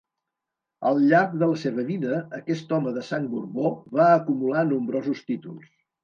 Al llarg de la seva vida, aquest home de sang Borbó va acumular nombrosos títols.